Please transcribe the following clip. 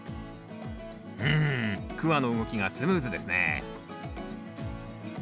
うんクワの動きがスムーズですね